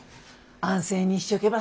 安静にしちょけば